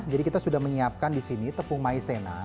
jadi kita sudah menyiapkan di sini tepung maizena